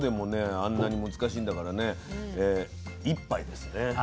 あんなに難しいんだからね１杯ですね。